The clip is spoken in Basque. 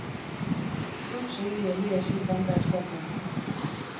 Zuk segi Eliasi kanta eskatzen.